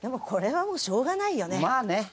これはもうしょうがないよね。